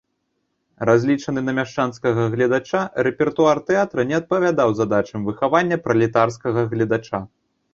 Разлічаны на мяшчанскага гледача, рэпертуар тэатра не адпавядаў задачам выхавання пралетарскага гледача.